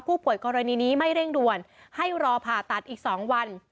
กรณีนี้ไม่เร่งด่วนให้รอผ่าตัดอีก๒วัน